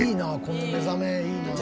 この目覚めいいなあ。